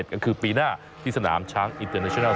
ก็คือปีหน้าที่สนามช้างอินเตอร์เนชนัล